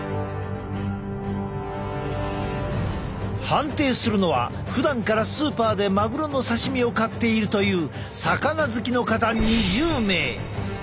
判定するのはふだんからスーパーでマグロの刺身を買っているという魚好きの方２０名。